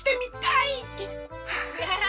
ハハハ！